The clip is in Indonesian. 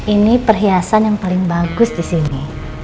ini perhiasan yang paling bagus disini